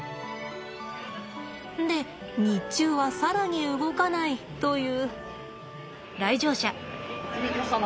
で日中は更に動かないという。